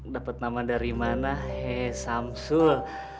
dapat nama dari mana hesamsul